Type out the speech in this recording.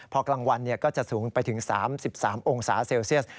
พอกลางวันก็จะสูงไปถึง๓๓องศาเซลเซียส